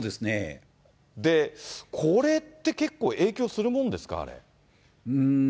で、これって結構、影響するもんですか、あれ。